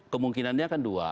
kemungkinannya kan dua